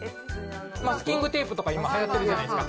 マスキングテープとか今、はやってるじゃないですか。